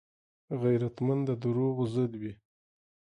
غیرتمند د دروغو ضد وي